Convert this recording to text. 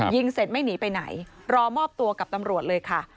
ยิงเสร็จไม่หนีไปไหนรอมอบตัวกับตำรวจเลยค่ะ